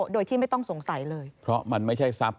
โดยที่ไม่ต้องสงสัยเลยเพราะมันไม่ใช่ทรัพย